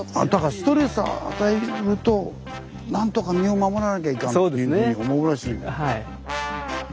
ストレスを与えるとなんとか身を守らなきゃいかんっていうふうに思うらしいんだ。